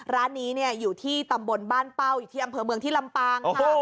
ร้านนี้อยู่ที่ตำบลบ้านเป้าอยู่ที่อำเภอเมืองที่ลำปางค่ะ